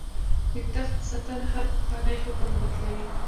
د تخت ساتنه هر پخوانی حکم بدلوي.